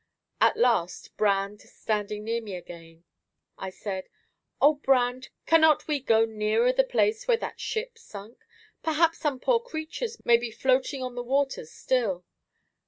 At last, Brand standing near me again, I said, "O Brand! cannot we go nearer the place where that ship sunk? Perhaps some poor creatures may be floating on the waters still."